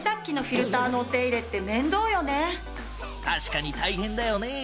確かに大変だよね。